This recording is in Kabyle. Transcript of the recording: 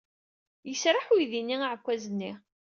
Yesraḥ uydi-nni aɛekkaz-nni.